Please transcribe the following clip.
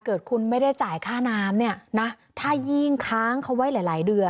เกิดคุณไม่ได้จ่ายค่าน้ำเนี่ยนะถ้ายิ่งค้างเขาไว้หลายเดือน